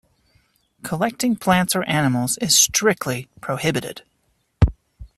Collecting plants or animals is strictly prohibited.